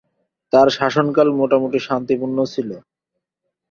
তার শাসনকাল মোটামুটি শান্তিপূর্ণ ছিল।